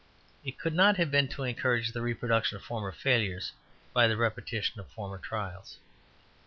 It could not have been to encourage the reproduction of former failures by the repetition of former trials.